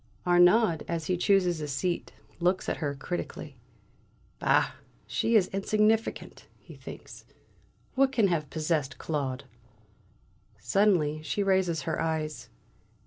Arnaud, as he chooses a seat, looks at her critically. "Bah, she is insignificant!" he thinks. "What can have possessed Claude?" Suddenly she raises her eyes.